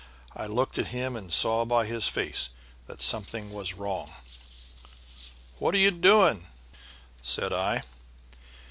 I looked at him and saw by his face that something was wrong. "'What are you doing?' said I.